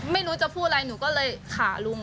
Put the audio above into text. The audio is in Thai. ไม่รู้จะพูดอะไรหนูก็เลยขาลุง